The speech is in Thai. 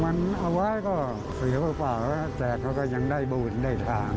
มันเอาไว้ก็เสียเปล่าแล้วแต่เขาก็ยังได้บุญได้ทาง